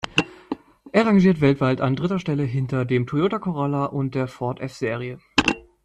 Er rangiert weltweit an dritter Stelle hinter dem Toyota Corolla und der Ford F-Serie.